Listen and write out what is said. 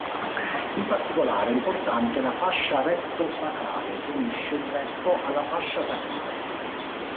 In particolare è importante la fascia retto-sacrale che unisce il retto alla fascia sacrale.